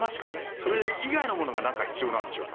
それ以外のものが何か必要なんでしょうか。